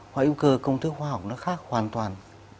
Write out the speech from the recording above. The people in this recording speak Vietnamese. hóa hữu cơ công thức khoa học nó khác hoàn toàn